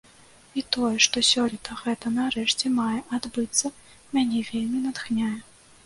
І тое, што сёлета гэта нарэшце мае адбыцца, мяне вельмі натхняе.